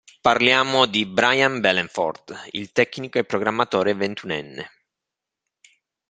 Parliamo di Brian Behlendorf, il tecnico e programmatore ventunenne.